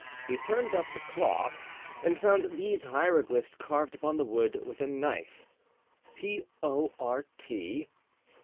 He turned up the cloth and found these hieroglyphics carved upon the wood with a knife: "Port....